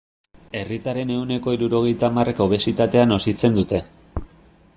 Herritarren ehuneko hirurogeita hamarrek obesitatea nozitzen dute.